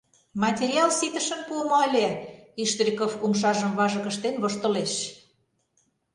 — Материал ситышын пуымо ыле, — Иштриков умшажым важык ыштен воштылеш.